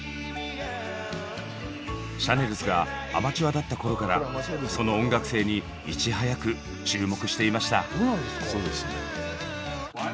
シャネルズがアマチュアだった頃からその音楽性にいち早く注目していました。